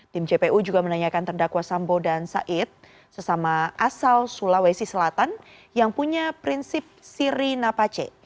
tim jpu juga menanyakan terdakwa sambo dan said sesama asal sulawesi selatan yang punya prinsip siri napace